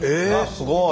すごい！